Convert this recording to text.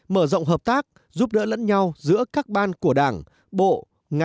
mở rộng hợp tác giúp đỡ lẫn nhau giữa các ban của đảng bộ